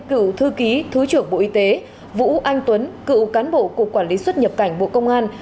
cựu thư ký thứ trưởng bộ y tế vũ anh tuấn cựu cán bộ cục quản lý xuất nhập cảnh bộ công an